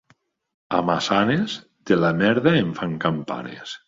A Massanes, de la merda en fan campanes.